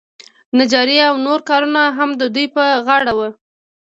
نجاري او نور کارونه هم د دوی په غاړه وو.